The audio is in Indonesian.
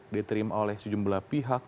diterima oleh sejumlah pihak